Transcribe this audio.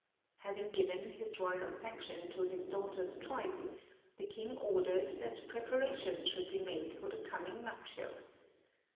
Having given his royal sanction to his daughter's choice, the king ordered that preparations should be made for the coming nuptials.